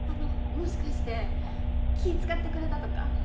もしかして気遣ってくれたとか？